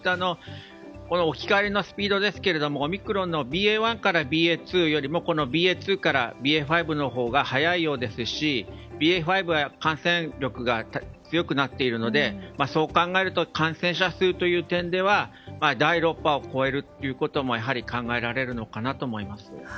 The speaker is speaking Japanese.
置き換わりのスピードですがオミクロンのＢＡ．１からＢＡ．２よりもこのＢＡ．２からＢＡ．５のほうが速いようですしＢＡ．５は感染力が強くなっているのでそう考えると感染者数という点では第６波を超えることもやはり考えられるのかなと思います。